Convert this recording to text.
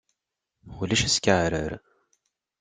Ulac askeɛrer.